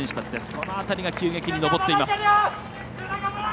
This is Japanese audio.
この辺りが急激に上っています。